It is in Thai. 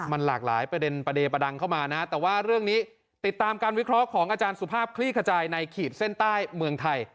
มันหลากหลายประเด็นประเด็นประดังเข้ามานะแต่ว่าเรื่องนี้ติดตามการวิเคราะห์ของอาจารย์สุภาพคลี่ขจายในขีดเส้นใต้เมืองไทย